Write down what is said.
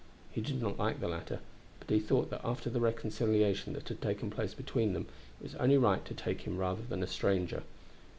He did not like the latter, but he thought that after the reconciliation that had taken place between them it was only right to take him rather than a stranger.